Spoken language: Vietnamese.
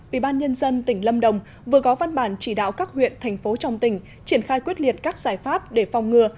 bị ban nhân dân tỉnh lâm đồng vừa có văn bản chỉ đạo các huyện thành phố trong tỉnh triển khai quyết liệt các giải pháp để phòng ngừa